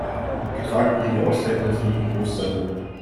Getragen wurde die Auszeichnung auf der linken Brustseite.